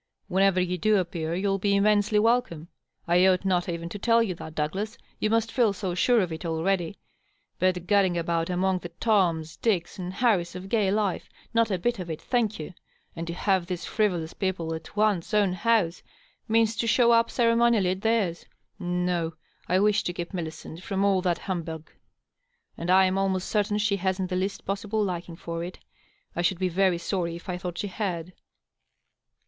Whenever you do appear you'll be immensely welcome; I ought not even to tell you that, Douglas ; you must feel so sure of it already. But gadding about among the Toms, Dicks and Harrys of gay life — ^not a bit of it, thank you I And to have these frivolous people at one's own house means to show up ceremonially at theirs. No, I wish to keep Millicent from all that humbug. And I am almost certain she hasn't the least possible liking for it. I should be very sorry if I thought she had."